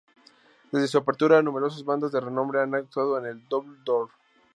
Desde su apertura numerosas bandas de renombre han actuado en el Double Door.